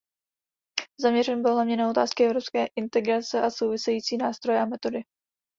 Zaměřen byl hlavně na otázky Evropské integrace a související nástroje a metody.